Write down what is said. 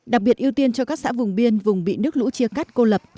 đặc biệt ưu tiên cho các xã vùng biên vùng bị nước lũ chia cắt cô lập